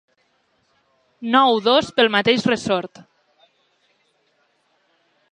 Nou dos pel mateix ressort.